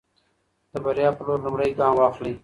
د بریا په لور لومړی ګام واخلئ.